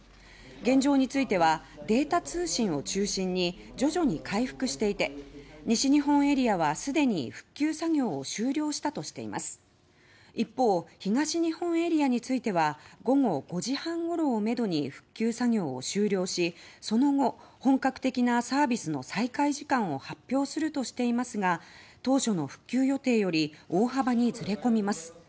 現状についてはデータ通信を中心に徐々に回復していて西日本エリアはすでに復旧作業を終了したとしています一方、東日本エリアについては午後５時半ごろをめどに復旧作業を終了しその後、本格的なサービスの再開時間を発表するとしていますが当初の復旧予定より大幅にずれ込みます。